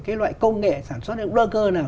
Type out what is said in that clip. cái loại công nghệ sản xuất những worker nào